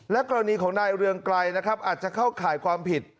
กรณีของนายเรืองไกรนะครับอาจจะเข้าข่ายความผิด